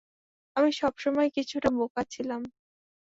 আমি সবসময়ই কিছুটা বোকা ছিলাম।